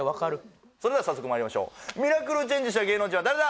それでは早速まいりましょうミラクルチェンジした芸能人は誰だ？